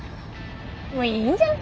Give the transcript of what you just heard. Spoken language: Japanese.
もういんじゃん？